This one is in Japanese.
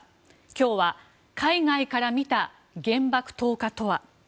今日は海外から見た原爆投下とは。